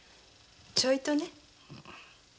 ちょいとね。